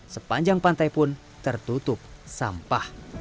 sepanjang pantai pun tertutup sampah